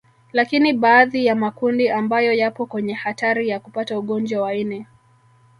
Lakini baadhi ya makundi ambayo yapo kwenye hatari ya kupata ugonjwa wa ini